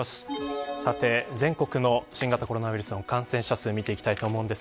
さて全国の新型コロナウイルス感染者数見てきたいと思います。